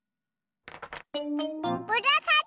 むらさき！